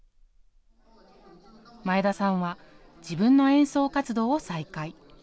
前田さんは自分の演奏活動を再開。